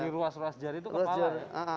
di ruas ruas jari itu kepala ya